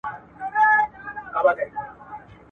دی باید سهار وختي له خوبه پاڅېږي.